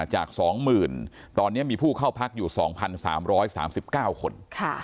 จาก๒๐๐๐ตอนนี้มีผู้เข้าพักอยู่๒๓๓๙คน